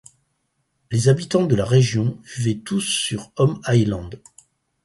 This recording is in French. Les habitants de la région vivaient tous sur Home Island.